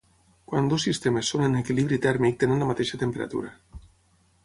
Quan dos sistemes són en equilibri tèrmic tenen la mateixa temperatura.